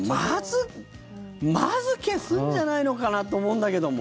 まず消すんじゃないのかなと思うんだけども。